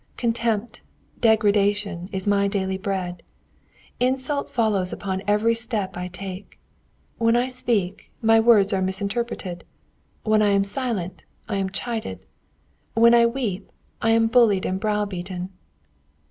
Contempt, degradation, is my daily bread. Insult follows upon every step I take. When I speak, my words are misinterpreted; when I am silent, I am chided; when I weep, I am bullied and brow beaten."